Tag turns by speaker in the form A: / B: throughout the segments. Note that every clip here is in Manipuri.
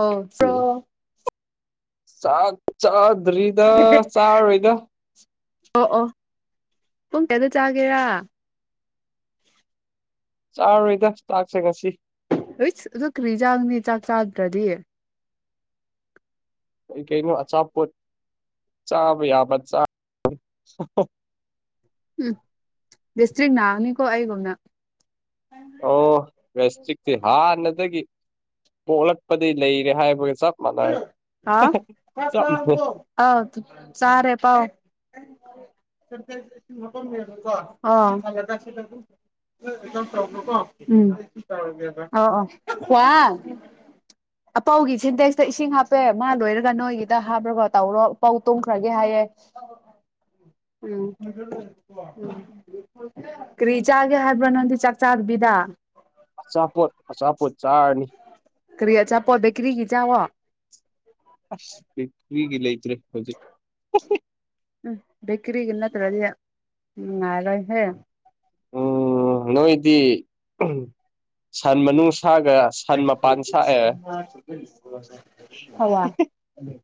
A: ꯑꯣ ꯐ꯭ꯔꯣ
B: ꯎꯝ ꯆꯥꯛ ꯆꯥꯗꯔꯤꯗ ꯆꯥꯔꯣꯏꯗ꯫
A: ꯑꯣ ꯑꯣ ꯄꯨꯡ ꯀꯌꯥꯗ ꯆꯥꯒꯦꯔꯥ꯫
B: ꯆꯥꯔꯣꯏꯗ ꯆꯥꯛꯁꯦ ꯉꯁꯤ꯫
A: ꯋꯤꯠꯁ ꯑꯗꯨ ꯀꯔꯤꯆꯥꯒꯅꯤ ꯆꯥꯛ ꯆꯥꯗ꯭ꯔꯗꯤ
B: ꯀꯩ ꯀꯩꯅꯣ ꯑꯆꯥꯄꯣꯠ ꯆꯥꯕ ꯌꯥꯕ ꯆ [unintelligible]
A: ꯎꯝ ꯔꯦꯁꯇ꯭ꯔꯤꯛ ꯅꯅꯤꯀꯣ ꯑꯩꯒꯨꯝꯅ꯫
B: ꯑꯣ ꯔꯦꯁꯇ꯭ꯔꯤꯛꯇꯤ ꯍꯥꯟꯅꯗꯒꯤ ꯄꯣꯛꯂꯛꯄꯗꯩ ꯂꯩꯔꯦ ꯍꯥꯏꯕꯒ ꯆꯥꯞ
A: [unintelligible] ꯍꯥꯎ ꯆꯥꯛ
B: ꯃꯥꯟꯅꯩ
A: ꯆꯥꯔꯕꯣ ꯑꯥꯎ ꯗꯨꯠ ꯆꯥꯔꯦ ꯄꯥꯎ꯫ [unintelligible] ꯑꯥꯎ [unintelligible] [unintelligible] ꯎꯝ [unintelligible] ꯑꯧ ꯑꯣ ꯑꯣ ꯋꯥ ꯑꯄꯧꯒꯤ ꯁꯤꯟꯗꯦꯛꯁ ꯇ ꯏꯁꯤꯡ ꯍꯥꯞꯄꯦ ꯃꯥ ꯂꯣꯏꯔꯒ ꯅꯣꯏꯒꯤꯗ ꯍꯥꯞꯔꯒ ꯇꯧꯔꯣ ꯄꯧ ꯇꯨꯝꯈ꯭ꯔꯒꯦ ꯍꯥꯏꯌꯦ꯫ ꯎꯝ [unintelligible] ꯎꯝ ꯀꯔꯤ ꯆꯥꯒꯦ ꯍꯥꯏꯕ꯭ꯔꯥ ꯅꯪꯗꯤ ꯆꯥꯛ ꯆꯥꯗꯕꯤꯗ꯫
B: ꯑꯆꯥꯄꯣꯠ ꯑꯆꯥꯄꯣꯠ ꯆꯥꯔꯅꯤ꯫
A: ꯀꯔꯤ ꯑꯆꯥꯄꯣꯠ ꯕꯦꯀ꯭ꯔꯤꯒꯤ ꯆꯥꯎꯋꯣ꯫
B: ꯑꯁ ꯕꯦꯀ꯭ꯔꯤꯒꯤ ꯂꯩꯇ꯭ꯔꯦ ꯍꯧꯖꯤꯛ [unintelligible]
A: ꯎꯝ ꯕꯦꯀ꯭ꯔꯤꯒꯤ ꯅꯠꯇ꯭ꯔꯗꯤ ꯅꯨꯡꯉꯥꯏꯔꯣꯏꯍꯦ
B: ꯎꯝ ꯅꯣꯏꯗꯤ ꯁꯟ ꯃꯅꯨꯡ ꯁꯥꯒ
A: ꯍꯋꯥ ꯎꯝ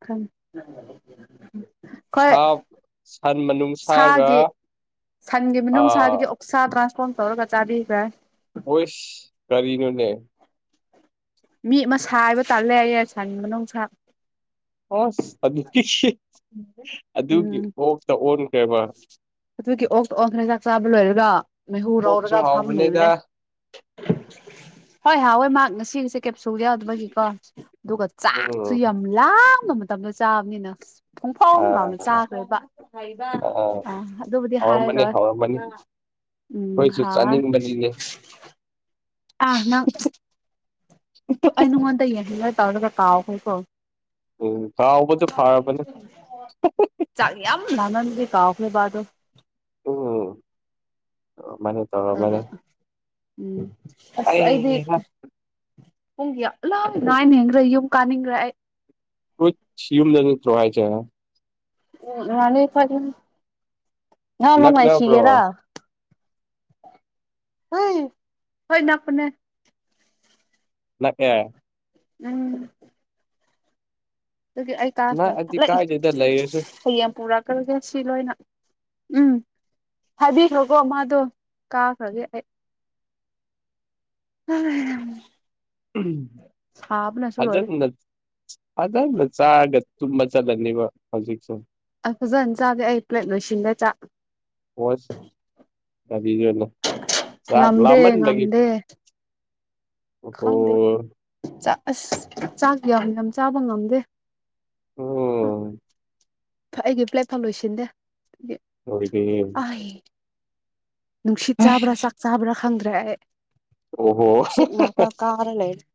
A: ꯈꯪꯉꯦ [unintelligible]
B: ꯁꯥꯎꯠ ꯁꯟ ꯃꯅꯨꯡꯁꯥꯒ
A: ꯁꯥꯒꯤ
B: ꯑꯥ
A: ꯁꯥ ꯇ꯭ꯔꯥꯟꯁꯐꯣꯝ ꯇꯧꯔꯒ ꯆꯥꯕꯤꯈ꯭ꯔꯦ
B: ꯑꯣꯏꯁ ꯀꯔꯤꯅꯣꯅꯦ
A: ꯃꯤ ꯃꯁꯥ ꯍꯥꯏꯕ ꯇꯜꯂꯦꯌꯦ ꯁꯟ ꯃꯅꯨꯡꯁꯥ
B: ꯑꯁ ꯑꯗꯨ ꯑꯗꯨꯒꯤ
A: ꯎꯝ
B: ꯑꯣꯛꯇ ꯑꯣꯟꯈ꯭ꯔꯦꯕ
A: ꯑꯗꯨꯒꯤ ꯑꯣꯛꯇ ꯑꯣꯟꯈ ꯍ ꯆꯥꯛ ꯆꯥꯕ ꯂꯣꯏꯔꯒ ꯃꯩꯍꯨ
B: ꯑꯣꯛꯁꯨ
A: ꯔꯧꯔꯒ
B: ꯍꯥꯎꯕꯅꯦꯗ
A: ꯐꯥꯝꯅꯦꯕꯅꯦ ꯍꯣꯏ ꯍꯑꯣꯏ ꯃꯍꯥꯛ ꯉꯁꯤ ꯉꯁꯤ [unintelligible] ꯀꯦꯞꯁꯨꯟ ꯌꯥꯎꯗꯕꯒꯤꯀꯣ ꯑꯗꯨꯒ ꯆꯥꯛꯁꯨ
B: ꯎꯝ
A: ꯌꯥꯝ ꯂꯥꯡꯕ ꯃꯇꯝꯗ ꯆꯥꯕꯅꯤꯅ
B: ꯑ
A: ꯄꯨꯡꯐꯥꯎꯂꯥꯎꯅ ꯆꯥꯒꯔ꯭ꯦꯕ
B: ꯑ
A: ꯑꯥ ꯑꯗꯨꯕꯨꯗꯤ
B: ꯍꯥꯎꯔꯝꯃꯅꯤ
A: ꯍꯥꯏꯈ꯭ꯔꯣ
B: ꯍꯥꯎꯔꯝꯃꯅꯤ
A: ꯎꯝ
B: ꯑꯩꯈꯣꯏꯁꯨ
A: ꯍꯥ
B: ꯆꯥꯅꯤꯡꯕꯅꯤꯅꯦ
A: ꯑꯥ ꯅꯪ
B: ꯎ [unintelligible]
A: ꯃꯤꯉꯣꯟꯗ ꯌꯦꯡꯍꯜꯂ ꯇꯧꯔꯒ ꯀꯥꯎꯈ꯭ꯔꯦꯀꯣ
B: ꯎꯝ ꯍꯥꯎꯕꯗꯨ ꯐꯔꯕꯅꯦ
A: ꯆ ꯌꯥꯝ ꯂꯅꯟꯗꯤ ꯀꯥꯎꯈ꯭ꯔꯕ ꯑꯗꯨ
B: ꯎꯝ ꯑ ꯃꯥꯏꯅ
A: ꯑ ꯎꯝ ꯑꯁ ꯑꯩꯗꯤ
B: ꯑꯩꯍꯥ
A: ꯄꯨꯡꯗꯤ ꯑ ꯂꯥ ꯥꯏ ꯌꯦꯡꯈ꯭ꯔꯦ ꯌꯨꯝ ꯀꯥꯅꯤꯡꯈ꯭ꯔꯦ ꯑꯩ [unintelligible]
B: ꯀꯣꯏ ꯁꯤ ꯌꯨꯝꯗ ꯅꯠꯇ꯭ꯔꯣ ꯍꯥꯏꯖꯦ
A: ꯎ ꯃꯥꯅꯤ ꯐ
B: ꯅꯛꯅꯕ꯭ꯔꯣ
A: ꯅꯃꯃꯥꯏꯁꯤꯒꯦꯗ ꯍ ꯍꯣꯏꯅꯄꯅꯦ
B: ꯅꯥꯛ ꯌꯦ
A: ꯎꯝ ꯑꯗꯨꯒꯤ ꯑꯩ ꯀꯥ ꯈ
B: ꯅꯛꯑꯗꯤ
A: ꯊꯠꯂꯛꯏ
B: ꯀꯥꯏꯗꯦꯗ ꯂꯩꯔꯁꯨ
A: ꯍꯌꯦꯡ ꯄꯨꯔꯛ ꯀꯒꯦ ꯁꯤ ꯂꯣꯏꯅ ꯎꯝ ꯍꯥꯏꯕꯤꯈ꯭ꯔꯀꯣ ꯃꯥꯗꯣ ꯀꯥꯈ꯭ꯔꯒꯦ ꯑꯩ [unintelligible]
B: ꯎꯝ
A: ꯁꯥꯕꯅꯁꯨ
B: ꯐꯖꯟ
A: ꯂꯣꯏꯔꯦ
B: ꯅꯠ ꯐꯖꯟꯅ ꯆꯥꯔꯒ ꯇꯨꯝꯕ ꯆꯠꯂꯅꯤꯕ ꯍꯧꯖꯤꯛꯁꯨ
A: ꯑ ꯐꯖꯟ ꯆꯥꯒꯦ ꯑꯩ ꯄ꯭ꯂꯦꯠ ꯂꯣꯏꯁꯤꯟꯂꯦ ꯆꯥꯛ
B: ꯍꯁ ꯉꯖ ꯆꯥꯛ
A: ꯉꯝꯗꯦ
B: ꯂꯃꯅꯤ ꯂ [unintelligible]
A: ꯉꯝꯗꯦ ꯈꯪꯗꯦ ꯑꯁ ꯆꯥꯛ ꯌꯥꯝꯅ ꯆꯥꯕ ꯉꯝꯗꯦ
B: ꯑꯣ
A: ꯑꯩꯒꯤ ꯄ꯭ꯂꯦꯠ ꯐ ꯂꯣꯏꯁꯤꯟꯗꯦ
B: ꯍꯣꯏꯒꯤ
A: ꯑꯩ ꯅꯨꯡꯁꯤꯠ ꯆꯥꯕ꯭ꯔꯥ ꯆꯥꯛ ꯆꯥꯕ꯭ꯔꯥ ꯈꯪꯗ꯭ꯔꯦ
B: ꯑꯣꯍꯣ
A: ꯅꯨꯡꯁꯤꯠ ꯉꯥꯛꯇꯥ ꯀꯔꯒꯥ ꯂꯩꯔꯦ ꯑꯩ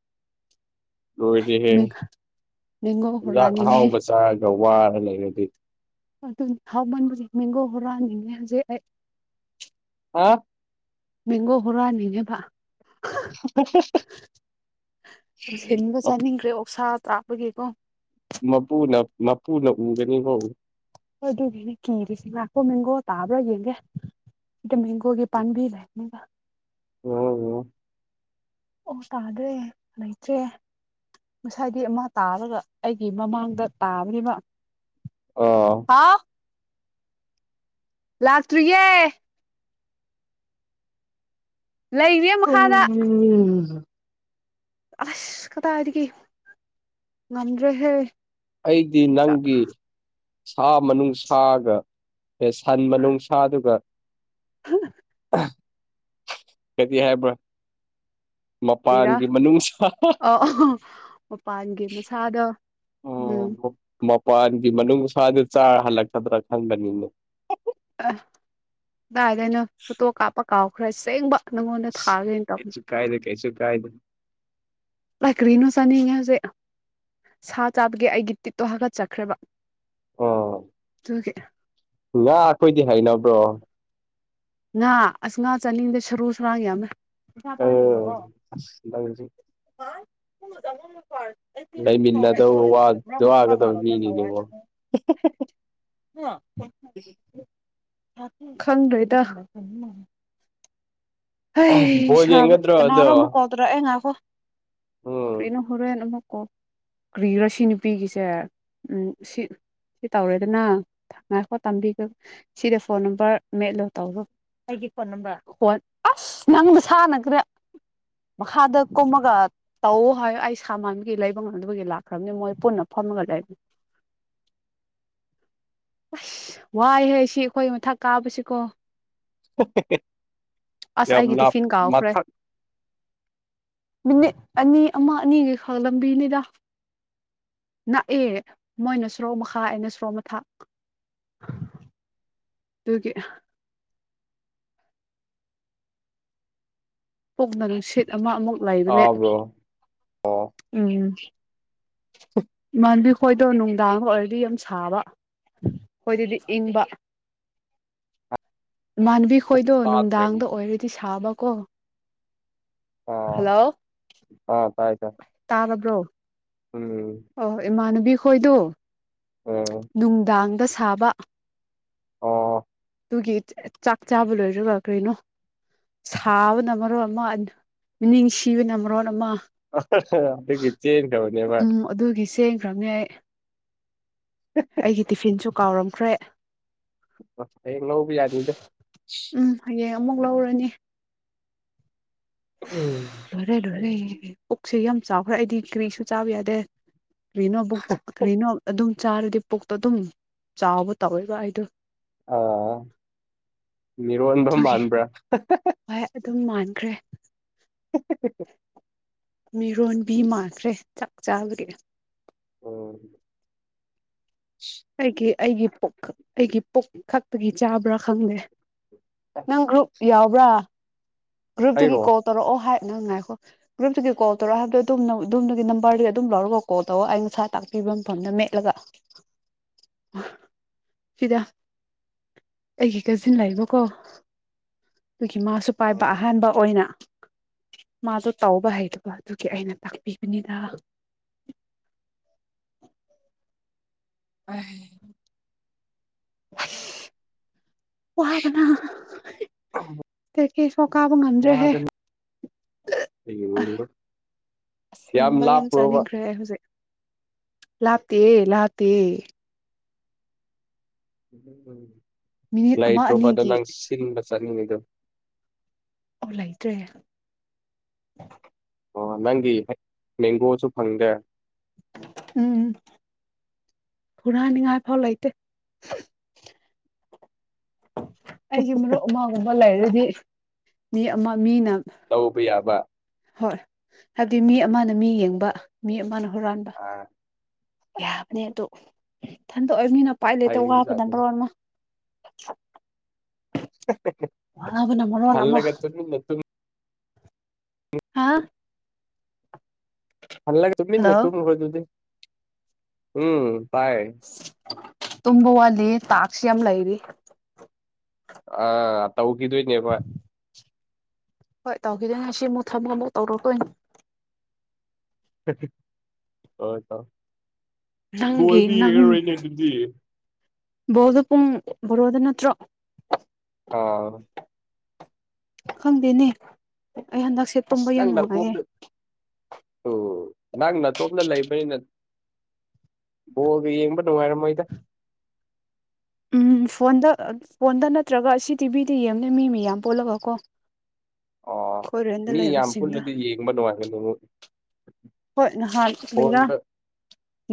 B: ꯂꯣꯏꯔꯗꯤꯍꯦ ꯆꯤꯟꯖꯥꯛ
A: ꯍꯨꯔꯥꯅꯤꯡꯉꯤ
B: ꯑꯍꯥꯎꯕ ꯆꯥꯔꯒ ꯋꯥꯔ ꯂꯩꯔꯗꯤ
A: ꯑꯗꯨ ꯍꯥꯎ ꯃꯟꯕꯁꯦ ꯃꯤꯒꯣ ꯍꯣꯔꯥꯅꯤꯡꯉꯦ ꯍꯧꯖꯤꯛ ꯑꯩ
B: ꯑ
A: ꯃꯦꯡꯒꯣ ꯍꯨꯔꯨꯟꯅꯤꯡꯉꯦꯕ
B: [inaudible]
A: ꯁꯤꯟꯕ ꯆꯥꯅꯤꯡꯈ꯭ꯔꯦ ꯑꯣꯛꯁꯥ ꯇꯥꯄꯒꯤꯀꯣ
B: ꯃꯄꯨꯅ ꯃꯄꯨꯅ ꯎꯒꯅꯤꯕꯣ
A: ꯑꯗꯨꯒꯤꯅꯦ ꯀꯤꯔꯤꯁꯤ ꯉꯈꯣ ꯃꯦꯡꯒꯣ ꯇꯥꯕ꯭ꯔꯥ ꯌꯦꯡꯒꯦ ꯑ ꯃꯦꯡꯒꯣꯒꯤ ꯄꯥꯟꯕꯤ ꯂꯩ [inaudible]
B: ꯎꯝ
A: ꯑꯣ ꯇꯥꯗꯦ ꯂꯩꯆꯦ ꯉꯁꯥꯏꯗꯤ ꯑꯃ ꯇꯥꯔꯒ ꯑꯩꯒꯤ ꯃꯃꯥꯡꯗ ꯇꯥꯕꯅꯤꯅ
B: ꯑꯣ
A: ꯂꯥꯛꯇ꯭ꯔꯤꯌꯦ ꯂꯩꯔꯦ ꯃꯈꯥꯗ
B: ꯎꯝ
A: ꯑꯁ ꯀꯗꯥꯏꯗꯗꯤ ꯉꯝꯗ꯭ꯔꯦ ꯍꯦ
B: ꯑꯩꯗꯤ ꯅꯪꯒꯤ ꯁꯥ ꯃꯅꯨꯡ ꯁꯥꯒ ꯑꯦ ꯁꯟ ꯃꯅꯨꯡꯁꯥꯗꯨꯒ
A: [unintelligible]
B: [unintelligible]
A: ꯄꯤꯔꯥ
B: ꯃꯄꯥꯟꯒꯤ ꯃꯅꯨꯡꯁꯥ
A: [unintelligible] ꯃꯄꯥꯟꯒꯤ ꯃꯁꯥꯗ ꯎꯝ
B: ꯑꯣ ꯃꯄꯥꯟꯒꯤ ꯃꯅꯨꯡꯁꯥꯗ ꯆꯥꯔ ꯍꯜꯂꯛꯀꯗ꯭ꯔꯥ ꯈꯟꯕꯅꯤꯅꯦ
A: ꯑ ꯗꯥꯏꯗꯑꯩꯅꯣ ꯐꯣꯇꯣ ꯀꯥꯞꯄ ꯀꯥꯎꯈ꯭ꯔꯦ ꯆꯦꯡꯕ ꯅꯪꯉꯣꯟꯗ ꯊꯥꯒꯦꯅ ꯇꯧꯅꯤ
B: ꯀꯩꯁꯨ ꯀꯥꯏꯗꯦ ꯀꯩꯁꯨ ꯀꯥꯏꯗꯦ
A: ꯂꯥꯏ ꯀ꯭ꯔꯤꯅꯣ ꯆꯥꯅꯤꯡꯉꯦ ꯍꯧꯖꯤꯛ ꯁꯥ ꯆꯥꯕꯒꯤ ꯑꯩꯒꯤ ꯇꯤꯠꯇꯣ ꯍꯥꯀꯠꯆꯠꯈ꯭ꯔꯦꯕ
B: ꯑꯣ
A: [unintelligible]
B: ꯉꯥ ꯑꯩꯈꯣꯏꯗꯤ ꯍꯅꯕ꯭ꯔꯣ
A: ꯉꯥ ꯑꯁ ꯉꯥ ꯆꯥꯅꯤꯡꯗꯦ ꯁꯔꯨ ꯁꯨꯔꯥꯡꯒ ꯌꯥꯝꯃꯦ ꯄꯩꯁꯥ
B: ꯑ
A: [unintelligible]
B: ꯑꯁ ꯂꯩꯔꯤ
A: ꯍꯥ [unintelligible]
B: ꯂꯩꯃꯤꯟꯅꯗꯧ ꯋꯥ ꯋꯥꯒꯗꯕꯥ ꯃꯤꯅꯤꯅꯦ [unintelligible]
A: [unintelligible] ꯈꯪꯗ꯭ꯔꯣꯏꯗ ꯍꯩ
B: ꯕꯣꯜ
A: ꯁꯕ
B: ꯌꯦꯡꯒꯗ꯭ꯔꯣ
A: ꯀꯅꯔꯣ
B: ꯑꯗꯣ
A: [unintelligible] ꯇꯔꯑꯦ ꯉꯥꯏꯀꯣ
B: ꯎꯝ
A: ꯀꯔꯤꯅꯣ ꯍꯨꯔꯦꯟ ꯑꯃꯨꯛ ꯀꯣ ꯀ꯭ꯔꯤꯔꯥ ꯁꯤ ꯅꯨꯄꯤꯒꯤꯁꯦ ꯎ ꯁꯤ ꯁꯤ ꯇꯧꯔꯦꯗꯅ ꯊ ꯉꯥꯏꯈꯣ ꯇꯕꯤꯒꯦ ꯁꯤꯗ ꯐꯣꯟ ꯅꯝꯕꯔ ꯃꯦꯠꯂꯣ ꯇꯧꯔꯣ ꯑꯩꯒꯤ ꯐꯣꯟ ꯅꯝꯕꯔ [unintelligible] ꯑꯁ ꯅꯪꯗ ꯁꯥꯟꯅꯈ꯭ꯔꯦ ꯃꯈꯥꯗ ꯀꯣꯝꯃꯒ ꯇꯧꯎ ꯍꯥꯏ ꯑꯩ ꯁ ꯃꯥꯟꯕꯒꯤ ꯂꯩꯕ ꯉꯝꯗꯕꯒꯤ ꯂꯥꯛꯈ꯭ꯔꯕꯅꯤ ꯃꯣꯏ ꯄꯨꯟꯅ ꯐꯝꯃꯒ ꯂꯩ ꯑꯁ ꯋꯥꯏ ꯍꯦ ꯁꯤ ꯑꯩꯈꯣꯏ ꯃꯊꯛ ꯀꯥꯕꯁꯤꯀꯣ
B: [unintelligible]
A: ꯑꯁ
B: ꯌꯥꯝ
A: ꯑꯩꯒꯤ
B: ꯂꯞ
A: ꯇꯤꯐꯤꯟ ꯀꯥꯎꯈ꯭ꯔꯦ
B: ꯃꯊꯛ
A: ꯃꯤꯅꯤꯠ ꯑꯅꯤ ꯑꯃ ꯑꯅꯤꯒ ꯈꯪꯂꯝꯕꯤꯅꯤꯗ ꯅꯛꯑꯦ ꯃꯣꯏꯅ ꯁꯣꯔꯣꯛ ꯃꯈꯥ ꯑꯩꯅ ꯁꯣꯔꯣꯛ ꯃꯊꯛ ꯗꯨꯒꯤ ꯑꯥ ꯄꯨꯛꯅ ꯅꯨꯡꯁꯤꯠ ꯑꯃ ꯑꯃꯨꯛ ꯂꯩꯕꯅꯦ
B: ꯇꯥꯕ꯭ꯔꯣ ꯑꯣ
A: ꯎꯝ ꯏꯃꯥꯟꯕꯤ ꯈꯣꯏꯗꯣ ꯅꯨꯡꯗꯥꯡꯒ ꯑꯣꯏꯔꯗꯤ ꯌꯥꯝ ꯁꯥꯕ ꯈꯣꯏꯗꯗꯤ ꯏꯪꯕ ꯏꯃꯥꯟꯕꯤ
B: ꯄꯨꯛ
A: ꯑꯩꯈꯣꯏꯗꯣ
B: ꯇꯥꯗ꯭ꯔꯦ
A: ꯅꯨꯡꯗꯥꯡꯗ
B: ꯑꯃꯨꯛ
A: ꯑꯣꯏꯔꯗꯤ ꯁꯥꯕꯀꯣ
B: ꯑꯣ
A: ꯍꯜꯂꯣ
B: ꯑꯥ ꯇꯥꯏ ꯇꯥꯏ
A: ꯇꯥꯔꯕ꯭ꯔꯣ
B: ꯎꯝ
A: ꯑꯣ ꯏꯃꯥꯟꯅꯕꯤ ꯈꯣꯏꯗꯣ
B: ꯑꯣ
A: ꯅꯨꯡꯗꯥꯡꯗ ꯁꯥꯕ
B: ꯑꯣ
A: ꯑꯗꯨꯒꯤ ꯆꯥꯛ ꯆꯥꯕ ꯂꯣꯏꯔꯒꯥ ꯀꯔꯤꯅꯣ ꯁꯥꯕꯅ ꯃꯔꯣꯟ ꯑꯃ ꯃꯤꯅꯤꯡꯁꯤꯕꯅ ꯃꯔꯣꯟ ꯑꯃ
B: ꯑꯗꯨꯒꯤ ꯆꯦꯟꯒꯔ꯭ꯕꯅꯦꯕ
A: ꯎꯝ ꯑꯗꯨꯒꯤ ꯁꯦꯡꯈ꯭ꯔꯝꯅꯦ ꯑꯩ ꯑꯩꯒꯤ ꯇꯤꯐꯤꯟꯁꯨ ꯀꯥꯎꯔꯝꯈ꯭ꯔꯦ
B: ꯍꯌꯦꯡ ꯂꯧꯕ ꯌꯥꯅꯤꯗ
A: ꯎꯝ ꯍꯌꯦꯡ ꯑꯃꯨꯛ ꯂꯧꯔꯅꯤ
B: ꯎꯝ
A: ꯂꯣꯏꯔꯦ ꯂꯣꯏꯔꯦ ꯄꯨꯛꯁꯦ ꯌꯥꯝ ꯆꯥꯎꯈ꯭ꯔꯦ ꯑꯩꯗꯤ ꯀꯔꯤꯁꯨ ꯆꯥꯕ ꯌꯥꯗꯦ ꯀꯔꯤꯅꯣ ꯕꯨꯛ ꯀꯔꯤꯅꯣ ꯑꯗꯨꯝ ꯆꯥꯔꯗꯤ ꯄꯨꯛꯇꯣ ꯑꯗꯨꯝ ꯆꯥꯎꯕ ꯇꯧꯋꯦꯕ ꯑꯩꯗꯣ
B: ꯑꯥ ꯃꯤꯔꯣꯟꯕ
A: ꯑꯗꯨꯒꯤ
B: ꯃꯥꯟꯕ꯭ꯔꯥ
A: ꯍꯣꯏ ꯑꯗꯨꯝ ꯃꯥꯟꯈ꯭ꯔꯦ
B: [unintelligible]
A: ꯃꯤꯔꯣꯟꯕꯤ ꯃꯥꯟꯈ꯭ꯔꯦ ꯆꯥꯛ ꯆꯥꯕꯒꯤ
B: ꯎꯝ
A: ꯑꯩꯒꯤ ꯑꯩꯒꯤ ꯄꯨꯛ ꯑꯩꯒꯤ ꯄꯨꯛ ꯈꯛꯇꯒꯤ ꯆꯥꯕ꯭ꯔꯥ ꯈꯪꯗꯦ ꯅꯪ
B: ꯑꯁ
A: ꯒ꯭ꯔꯨꯞ ꯌꯥꯎꯕ꯭ꯔꯥ ꯒ꯭ꯔꯨꯞꯇꯒꯤ
B: ꯑꯩꯔꯣ
A: ꯀꯣꯜ ꯇꯧꯔꯛꯑꯣ ꯍꯥꯏ ꯅꯪ ꯉꯥꯏꯈꯣ ꯒ꯭ꯔꯨꯞꯇꯨꯒꯤ ꯀꯣꯜ ꯇꯧꯔꯛꯑꯣ ꯍꯥꯏꯕꯗꯣ ꯑꯗꯨꯝ ꯑꯗꯨꯝꯗꯒꯤ ꯅꯝꯕꯔꯗꯨ ꯑꯗꯨꯝ ꯂꯧꯔꯒ ꯀꯣꯜ ꯇꯧꯋꯣ ꯑꯩꯩꯅ ꯉꯁꯥꯏ ꯇꯥꯛꯄꯤꯕ ꯃꯐꯝꯗ ꯃꯦꯠꯂꯒ ꯐꯤꯗ ꯑꯩꯒꯤ ꯀꯖꯤꯟ ꯂꯥꯛꯏꯕꯀꯣ ꯑꯗꯨꯒꯤ ꯃꯥꯁꯨ ꯄꯥꯏꯕ ꯑꯍꯥꯟꯕ ꯑꯣꯏꯅ ꯃꯥꯗꯣ ꯇꯧꯕ ꯍꯩꯗꯕ ꯑꯗꯨꯒꯤ ꯑꯩꯅ ꯇꯥꯛꯄꯤꯕꯅꯤꯗ
B: [unintelligible]
A: ꯋꯥꯕꯅ [unintelligible] ꯀꯥꯕ ꯉꯝꯗ꯭ꯔꯦꯍꯦ
B: ꯋꯥꯒꯅꯤ
A: ꯑ ꯁꯤꯡꯕ ꯌꯥꯝ ꯆꯥꯅꯤꯡꯈ꯭ꯔꯦ ꯍꯧꯖꯤꯛ ꯂꯥꯞꯇꯦ ꯂꯥꯞꯇꯦ ꯃꯤꯅꯤꯠ ꯑꯃ
B: ꯂꯩꯇ꯭ꯔꯣꯄꯗ
A: ꯑꯅꯤꯒꯤ
B: ꯅꯪ ꯁꯤꯟꯕ ꯆꯠꯅꯤꯡꯉꯤꯗꯣ
A: ꯑꯣ ꯂꯩꯇ꯭ꯔꯦ
B: ꯑꯣ ꯅꯪꯒꯤ ꯃꯦꯡꯒꯣꯁꯨ ꯐꯪꯗ꯭ꯔꯦ
A: ꯎꯝ ꯍꯨꯔꯥꯏꯅꯤꯡꯉꯥꯏ ꯐꯥꯎ ꯂꯩꯇꯦ ꯑꯩꯒꯤ ꯃꯔꯨꯞ ꯑꯃꯥꯒꯨꯝꯕ ꯂꯩꯔꯗꯤ ꯃꯤ ꯑꯃ ꯃꯤꯅ
B: ꯇꯧꯕ ꯌꯥꯕ
A: ꯍꯣꯏ ꯍꯥꯏꯕꯗꯤ ꯃꯤ ꯑꯃꯅ ꯃꯤ ꯌꯦꯡꯕ ꯃꯤ ꯑꯃꯅ ꯍꯨꯔꯥꯟꯕ
B: ꯑ
A: ꯌꯥꯕꯅꯦ ꯑꯗꯨ ꯏꯊꯟꯗ ꯑꯣꯏꯕꯅꯤꯅ ꯄꯥꯏ ꯂꯩꯇꯦ ꯋꯥꯕꯅ
B: ꯍꯩꯕꯖꯥꯠꯅꯤ
A: ꯃꯔꯣꯝꯃ ꯋꯥꯕꯅ ꯃꯔꯣꯟ ꯑꯃ
B: [unintelligible]
A: ꯍꯥꯥ
B: ꯍꯜꯂ ꯇꯨꯃꯤꯟꯅ
A: ꯍꯜꯂꯣ
B: ꯇꯨꯝꯈ꯭ꯔꯣ ꯗꯨꯗꯤ ꯎꯝ ꯇꯥꯏ
A: ꯇꯨꯝꯕ ꯋꯥꯠꯂꯤ ꯇꯥꯛꯁ ꯌꯥꯝ ꯂꯩꯔꯤ
B: ꯑ ꯇꯧꯈꯤꯗꯣꯏꯅꯦ ꯍꯣꯏ
A: ꯍꯣꯏ ꯇꯧꯈꯤꯗꯣꯏꯅꯦ ꯁꯤ ꯑꯃꯨꯛ ꯊꯝꯃꯒ ꯑꯃꯨꯛ ꯇꯧꯔꯛꯇꯣꯏꯅꯤ
B: [unintelligible]
A: ꯅꯪꯒꯤ
B: ꯕꯣꯜꯗꯤ
A: ꯅꯪ
B: ꯌꯦꯡꯉꯔꯣꯏꯅꯦ ꯑꯗꯨꯗꯤ
A: ꯕꯣꯜꯗꯣ ꯄꯨꯡ ꯕꯥꯔꯣꯗ ꯅꯠꯇ꯭ꯔꯣ
B: ꯑꯥ
A: ꯈꯪꯗꯦꯅꯦ ꯑꯩ ꯍꯟꯗꯛꯁꯦ
B: ꯑꯁ
A: ꯇꯨꯝꯕ ꯌꯥꯝ
B: ꯅꯪ
A: ꯅꯨꯡꯉꯥꯏꯌꯦ
B: ꯅꯇꯣꯝꯗ ꯑꯣ ꯅꯪ ꯅꯇꯣꯝꯗ ꯂꯩꯕꯅꯤꯅ ꯕꯣꯜꯒ ꯌꯦꯡꯕ ꯅꯨꯡꯉꯥꯏꯔꯝꯃꯣꯏꯗ
A: ꯎꯝ ꯐꯣꯟꯗ ꯐꯣꯟꯗ ꯅꯠꯇ꯭ꯔꯒ ꯁꯤ ꯇꯤꯚꯤꯗ ꯌꯦꯡꯕꯅꯦ ꯃꯤ ꯃꯌꯥꯝ ꯄꯨꯜꯂꯒ ꯀꯣ
B: ꯑꯣ
A: ꯑꯩꯈꯣꯏꯔꯦꯟꯗ
B: ꯃꯤ ꯌꯥꯝ
A: ꯂꯩꯕꯁꯤꯡꯗ
B: ꯄꯨꯜꯂꯗꯤ ꯌꯦꯡꯕ ꯅꯨꯡꯉꯥꯏꯕꯅꯤꯍꯦ
A: ꯍꯣꯏ ꯅꯍꯥꯟ ꯀꯥꯔꯤꯔ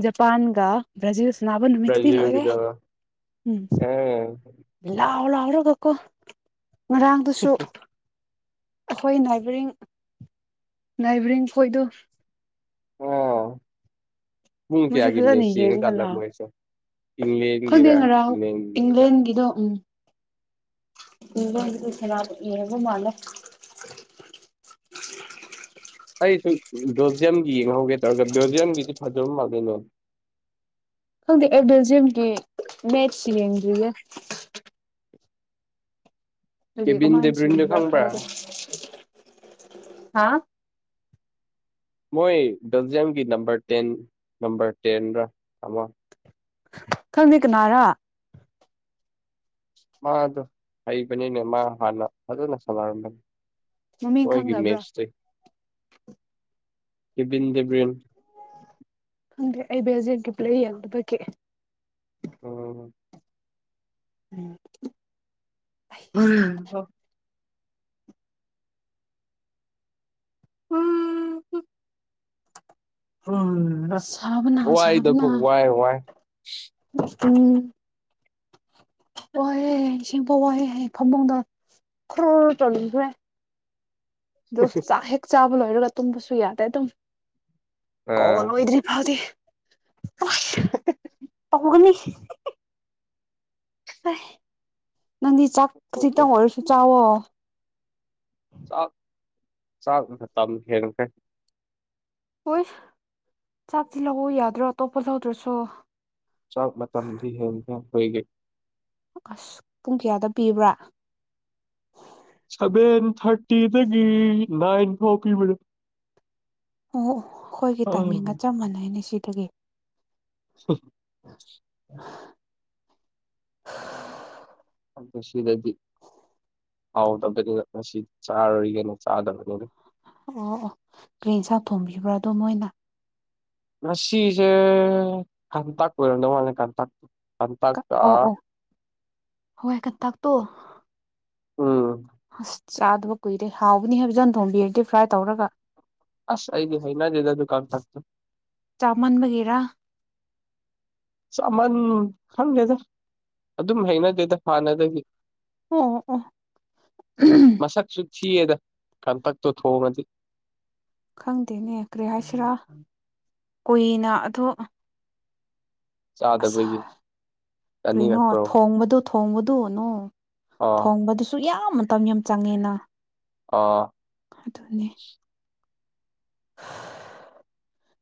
A: ꯖꯄꯥꯟꯒ ꯕ꯭ꯔꯖꯤꯜ ꯁꯅꯥꯕ ꯅꯨꯃꯤꯠꯇꯨꯗꯤ ꯂꯣꯏꯔꯦ
B: ꯕ꯭ꯔꯥꯖꯤꯜꯒꯤꯗꯣ ꯑꯥ
A: ꯎꯝ ꯂꯥꯎ ꯂꯥꯎꯔꯒ ꯀꯣ ꯉꯔꯥꯡꯗꯨꯁꯨ ꯑꯈꯣꯏ ꯅꯥꯏꯕꯔꯤꯡ ꯅꯥꯏꯕꯔꯤꯡ ꯈꯣꯏꯗꯣ
B: ꯍꯨꯝ ꯃꯤ
A: ꯃꯣꯏꯁꯨ
B: ꯀꯌꯥꯒꯤ
A: ꯐꯖꯅ
B: ꯃꯦꯁ
A: ꯌꯦꯡꯉꯒ
B: ꯌꯦꯡꯉꯀꯥꯟꯗ
A: ꯂꯥꯎꯋꯦ
B: ꯃꯣꯏꯁꯨ
A: ꯈꯪꯗꯦ
B: ꯏꯪꯂꯦꯟꯒꯤꯔ
A: ꯉꯔꯥꯡ
B: ꯏꯪꯂꯦꯟꯒꯤꯗꯨꯗ
A: ꯏꯪꯂꯦꯟꯒꯤꯗꯣ ꯎꯝ [unintelligible] ꯌꯦꯡꯕ ꯃꯥꯜꯂꯦ
B: ꯑꯩꯁꯨ ꯕꯦꯜꯖꯤꯌꯝꯒꯤ ꯌꯦꯡꯍꯧꯒꯦ ꯇꯧꯔꯒ ꯕꯦꯜꯖꯤꯌꯝꯒꯤꯗꯤ ꯐꯖꯕ ꯃꯥꯥꯜꯂꯦꯅꯦ
A: ꯈꯪꯗꯦ ꯑꯩ ꯕꯦꯜꯖꯤꯌꯝꯒꯤ ꯃꯦꯠꯁ ꯌꯦꯡꯗ꯭ꯔꯤꯌꯦ ꯗꯨꯒꯤ
B: ꯀꯦꯕꯤꯟ
A: ꯀꯃꯥꯏ
B: ꯗꯦꯕ꯭ꯔꯤꯟꯗꯣ ꯈꯪꯕ꯭ꯔꯥ
A: [unintelligible]
B: ꯃꯣꯏ ꯕꯦꯜꯖꯤꯌꯝꯒꯤ ꯅꯝꯕꯔ ꯇꯦꯟ ꯅꯝꯕꯔ ꯇꯦꯟꯔ ꯑꯃ
A: ꯈꯪꯗꯦ ꯀꯅꯥꯔꯥ
B: ꯃꯥꯗꯣ ꯍꯩꯕꯅꯤꯅꯦ ꯃꯥ ꯍꯥꯟꯅ ꯑꯗꯨꯅ ꯁꯥꯟꯅꯔꯝꯕꯅꯤ
A: ꯃꯃꯤꯡ
B: ꯃꯣꯏꯒꯤ
A: ꯈꯪꯗꯕ꯭ꯔꯥ
B: ꯃꯦꯆ ꯀꯕꯤꯟ ꯗꯦꯕꯟ
A: ꯗꯦ ꯑꯩ ꯕꯦꯜ ꯖꯦ ꯕꯦꯇ꯭ꯔꯤ ꯌꯥꯎꯗꯕꯒꯤ
B: ꯑꯣ
A: ꯎꯝ
B: ꯑ ꯍ [unintelligible] ꯎꯝ ꯎꯝ
A: ꯁꯥꯕꯅ
B: ꯋꯥꯏꯗꯀꯣ
A: ꯁꯥꯕꯅ
B: ꯋꯥꯏ ꯋꯥꯏ
A: ꯎꯝ ꯋꯥꯏꯌꯦ ꯑꯁꯤꯡꯕꯥ ꯋꯥꯏꯑꯦ ꯍꯥꯏ ꯐꯃꯨꯡꯗ ꯈꯔꯣ ꯇꯧꯅꯤꯡꯈ꯭ꯔꯦ ꯑꯗꯣ ꯆꯥꯛ ꯍꯦꯛ ꯆꯥꯕ ꯂꯣꯏꯔꯒ ꯇꯨꯝꯕꯁꯨ ꯌꯥꯗꯦ ꯑꯗꯨꯝ ꯀꯣ
B: ꯑꯥ
A: ꯂꯣꯏꯗ꯭ꯔꯤ ꯐꯥꯎꯗꯤ
B: [unintelligible]
A: ꯇꯧꯒꯅꯤ ꯅꯪꯗꯤ ꯆꯥꯛ ꯈꯤꯖꯤꯛꯇꯪ
B: ꯆꯥꯛ
A: ꯑꯣꯏꯔꯁꯨ ꯆꯥꯎꯋꯣ
B: ꯆꯥꯛ ꯆꯥꯛ ꯃꯇꯝ ꯍꯦꯟꯒ꯭ꯔꯦ
A: ꯍꯣꯏ ꯆꯥꯛꯇꯤ ꯂꯧꯎ ꯌꯥꯗ꯭ꯔꯣ ꯑꯇꯣꯞꯄ ꯂꯧꯗ꯭ꯔꯁꯨ
B: ꯆꯥꯛ ꯃꯇꯝꯗꯤ ꯍꯦꯟꯈ꯭ꯔꯦ ꯑꯈꯣꯏꯒꯤ
A: ꯑꯁ ꯄꯨꯡ ꯀꯌꯥꯗ ꯄꯤꯕ꯭ꯔꯥ
B: ꯁꯚꯦꯟ ꯊꯥꯔꯇꯤꯗꯒꯤ ꯅꯥꯏꯟ ꯐꯥꯎ ꯄꯤꯕꯅꯦ
A: ꯑꯣ ꯑꯩꯈꯣꯏꯒꯤ ꯇꯥꯏꯃꯤꯡꯒ
B: ꯎꯝ
A: ꯆꯞ ꯃꯥꯟꯅꯩꯅꯦ ꯁꯤꯗꯒꯤ
B: ꯍ [unintelligible]
A: [unintelligible]
B: ꯑꯣ ꯁꯤꯗꯗꯤ ꯍꯥꯎꯗꯕꯅꯤꯅ ꯉꯁꯤꯗꯤ ꯆꯥꯔꯔꯣꯏꯒꯦꯅ ꯆꯥꯗꯕꯅꯤꯅ
A: ꯑꯣ ꯑꯣ ꯀ꯭ꯔꯤ ꯍꯦꯁꯥꯡ ꯊꯣꯡꯕꯤꯕ꯭ꯔꯥ ꯑꯗꯣ ꯃꯣꯏꯅ
B: ꯉꯁꯤꯁꯦ ꯀꯥꯡꯇꯛ ꯑꯣꯏꯔꯝꯗꯧ ꯃꯥꯜꯂꯦ ꯀꯟꯇꯛ ꯀꯟꯇꯛꯀ
A: ꯍꯣꯏ ꯀꯟꯇꯥꯛꯛꯇꯣ
B: ꯎꯝ
A: ꯆꯥꯗꯕ ꯀꯨꯏꯔꯦ ꯍꯥꯎꯕꯅꯤ ꯍꯥꯏꯕꯖꯥꯟ ꯊꯣꯡꯝꯕꯤꯔꯗꯤ ꯐ꯭ꯔꯥꯏ ꯇꯧꯔꯒ
B: ꯑꯁ ꯑꯩꯗꯤ ꯍꯅꯗꯦꯗ ꯗꯨ ꯀꯥꯡꯇꯛ ꯇꯨ
A: ꯆꯥꯃꯟꯕꯒꯦꯔꯥ
B: ꯆꯥꯃꯟ ꯈꯪꯗꯦꯗ ꯑꯗꯨꯝ ꯍꯩꯅꯗꯦꯗ ꯍꯥꯟꯅꯗꯒꯤ
A: ꯑꯣ ꯑꯣ
B: ꯃꯁꯛꯁꯨ ꯊꯤꯌꯦꯗ ꯀꯟꯇꯛꯇꯣ ꯊꯣꯡꯉꯗꯤ
A: ꯈꯪꯗꯦꯅꯦ ꯀꯔꯤ ꯍꯥꯏꯁꯤꯔꯥ ꯀꯨꯏꯅ ꯑꯗꯣ ꯑꯁ
B: ꯆꯥꯗꯕꯒꯤ
A: ꯀꯔꯤꯅꯣ
B: ꯆꯥꯅꯤꯡꯉꯛꯄ꯭ꯔꯣ
A: ꯊꯣꯡꯕꯗꯨ ꯊꯣꯡꯕꯗꯨꯅꯣ
B: ꯑꯥ
A: ꯊꯣꯡꯕꯗꯨ ꯁꯨ ꯌꯥꯝ ꯃꯇꯝ ꯌꯥꯝ ꯆꯪꯉꯦꯅ
B: ꯑꯣ
A: ꯑꯗꯨꯅꯦ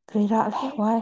A: ꯀꯔꯤꯔꯥ ꯋꯥꯏ